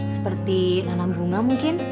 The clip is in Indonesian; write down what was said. seperti nanam bunga mungkin